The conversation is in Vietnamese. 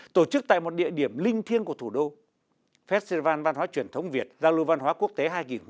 tổ chức tại một địa điểm linh thiêng của thủ đô festival văn hóa truyền thống việt giao lưu văn hóa quốc tế hai nghìn một mươi chín